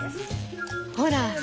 ほら！